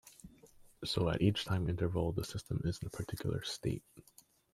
So at each time interval the system is in a particular "state".